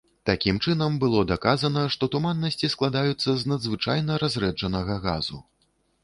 Такім чынам, было даказана, што туманнасці складаюцца з надзвычайна разрэджанага газу.